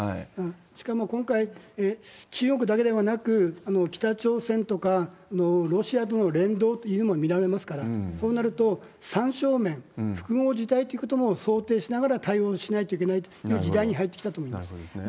しかも今回、中国だけではなく、北朝鮮とかロシアとの連動というものが見られますから、そうなると、３正面、複合事態ということも想定しながら対応しないといけないという時なるほどですね。